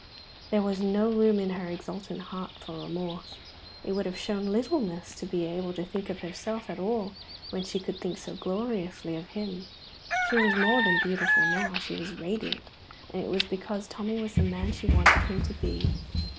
There was no room in her exultant heart for remorse. It would have shown littleness to be able to think of herself at all when she could think so gloriously of him. She was more than beautiful now; she was radiant; and it was because Tommy was the man she wanted him to be.